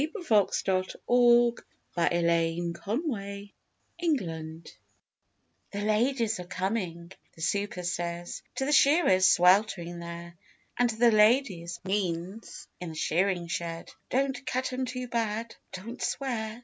WHEN THE LADIES COME TO THE SHEARING SHED 'The ladies are coming,' the super says To the shearers sweltering there, And 'the ladies' means in the shearing shed: 'Don't cut 'em too bad. Don't swear.